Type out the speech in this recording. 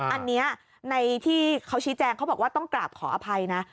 อันนี้ในที่เขาชี้แจงเขาบอกว่าต้องกราบขออภัยนะ